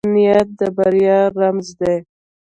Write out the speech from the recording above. ښه نیت د بریا رمز دی.